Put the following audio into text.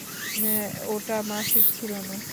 ওটা মাসিক ছিল না।